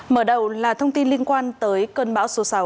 mở đầu là thông tin liên quan tới cơn bão số sáu